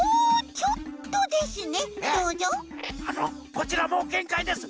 あのこちらもうげんかいです。